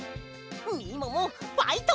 みももファイト！